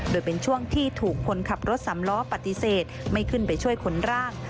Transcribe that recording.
โดยเป็นช่วงที่ถูกคนขับรถสำล้อปฏิเสธไม่ขึ้นไปช่วยขนร่าง